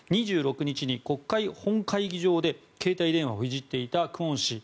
２６日に国会本会議場で携帯電話をいじっていたクォン氏。